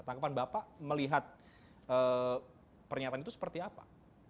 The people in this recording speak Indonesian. tangkapan bapak melihat pernyataan itu seperti apa